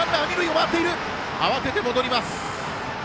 慌てて戻ります。